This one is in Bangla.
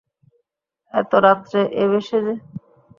এত রাত্রে এ বেশে যে?